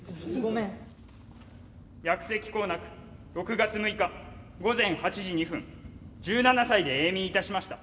「薬石効なく６月６日午前８時２分１７歳で永眠いたしました」。